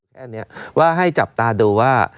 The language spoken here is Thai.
แน่นอนเพราะให้จับตาดูว่า